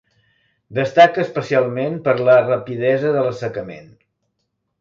Destaca especialment per la rapidesa de l'assecament.